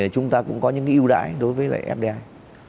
chúng ta cũng có những ưu đại đối với fdi